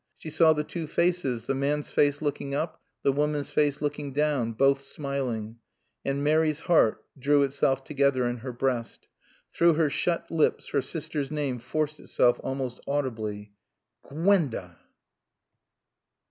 She saw the two faces, the man's face looking up, the woman's face looking down, both smiling. And Mary's heart drew itself together in her breast. Through her shut lips her sister's name forced itself almost audibly. "Gwen da!"